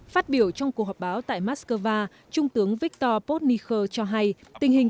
phát biểu trong cuộc họp báo tại moscow trung tướng viktor potniker cho hay tình hình